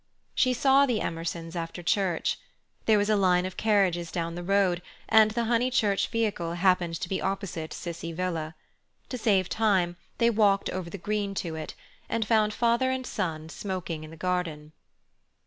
She saw the Emersons after church. There was a line of carriages down the road, and the Honeychurch vehicle happened to be opposite Cissie Villa. To save time, they walked over the green to it, and found father and son smoking in the garden.